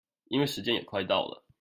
因為時間也快到了